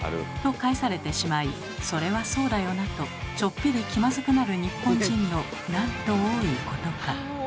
と返されてしまい「それはそうだよな」とちょっぴり気まずくなる日本人のなんと多いことか。